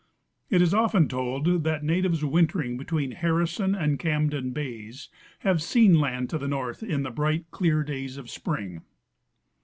It is often told that natives wintering between Harrison and Camden bays have seen land to the north in the bright, clear days of spring.